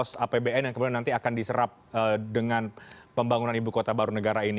sebetulnya berapa pos pos apbn yang kemudian nanti akan diserap dengan pembangunan ibu kota baru negara ini